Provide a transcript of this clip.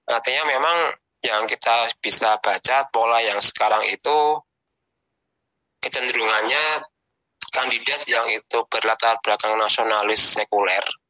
artinya memang yang kita bisa baca pola yang sekarang itu kecenderungannya kandidat yang itu berlatar belakang nasionalis sekuler